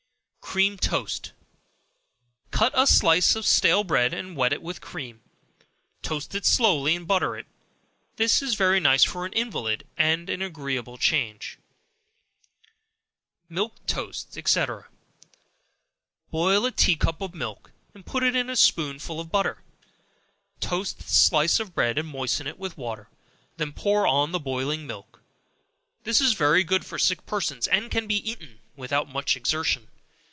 Cream Toast. Cut a slice of stale bread, and wet it with cream; toast it slowly and butter it; this is very nice for an invalid, and an agreeable change. Milk Toast &c. Boil a tea cup of milk, and put in a spoonful of butter; toast a slice of bread and moisten it with water, then pour on the boiling milk. This is very good for sick persons, and can be eaten without much exertion.